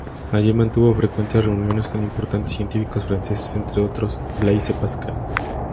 Allí mantuvo frecuentes reuniones con importantes científicos franceses, entre otros, Blaise Pascal.